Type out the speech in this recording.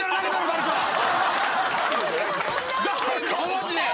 マジで。